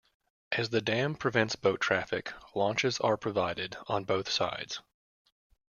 As the dam prevents boat traffic, launches are provided on both sides.